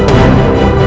aku mau pergi